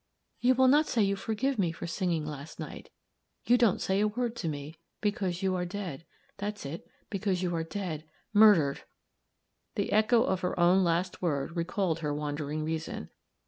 "You will not say you forgive me for singing last night. You don't say a word to me because you are dead that's it because you are dead murdered!" The echo of her own last word recalled her wandering reason.